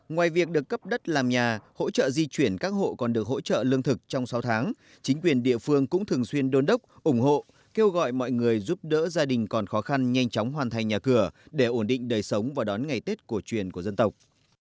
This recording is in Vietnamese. ngoài việc được cấp đất làm nhà hỗ trợ di chuyển các hộ còn được hỗ trợ lương thực trong sáu tháng chính quyền địa phương cũng thường xuyên đôn đốc ủng hộ kêu gọi mọi người giúp đỡ gia đình còn khó khăn nhanh chóng hoàn thành nhà cửa để ổn định đời sống và đón ngày tết cổ truyền của dân tộc